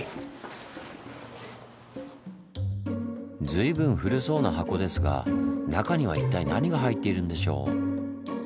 随分古そうな箱ですが中には一体何が入っているんでしょう？